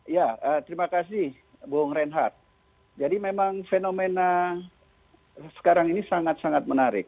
ya terima kasih bung reinhardt jadi memang fenomena sekarang ini sangat sangat menarik